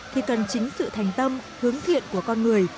thì cần chính sự thành tâm hướng thiện của con người